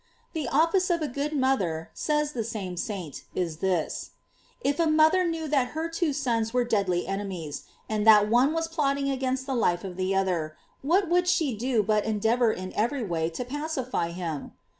f The office of a good mother, says the same saint, is this: if a mother knew that her two sons were deadly enemies, and that one was plot ting against the life of the other, what would she do but endeavor in every way to pacify him